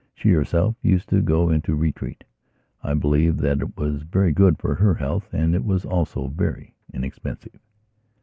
She herself used to go into "retreat". I believe that was very good for her health and it was also very inexpensive.